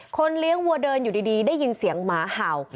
เลี้ยงวัวเดินอยู่ดีได้ยินเสียงหมาเห่า